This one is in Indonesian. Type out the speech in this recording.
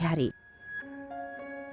atau kebutuhan menjaga kemampuan mereka